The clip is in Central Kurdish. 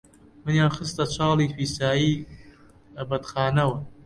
منیان خستە چاڵی پیسایی ئەدەبخانەوە،